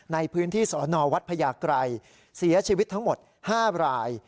ในพื้นที่สอนอวัดพญาไกรเสียชีวิตทั้งหมด๕ราย